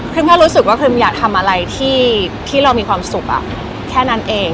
แค่รู้สึกว่าพิมอยากทำอะไรที่เรามีความสุขแค่นั้นเอง